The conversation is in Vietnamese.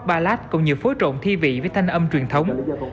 pop ballad cũng như phối trộn thi vị với thanh âm truyền thống